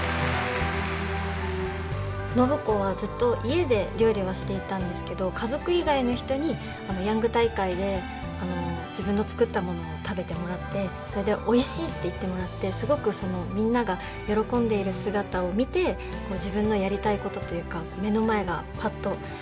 暢子はずっと家で料理はしていたんですけど家族以外の人にヤング大会で自分の作ったものを食べてもらってそれでおいしいって言ってもらってすごくみんなが喜んでいる姿を見て自分のやりたいことというか目の前がパッと開けました。